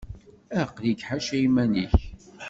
Aql-ik ḥaca iman-ik.